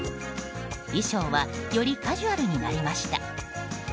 衣装はよりカジュアルになりました。